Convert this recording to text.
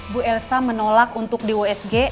bu elsa menolak untuk di usg